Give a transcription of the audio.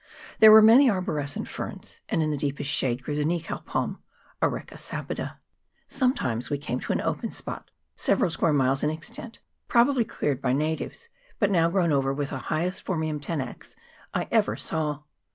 There were many arborescent ferns, and in the deepest shade grew the Nikau palm (Areca sapida). Sometimes we came CHAP. VII.] MOUNT EGMONT. 143 to an open spot, several square miles in extent, probably cleared by natives, but now grown over with the highest Phormirm tenax I ever saw.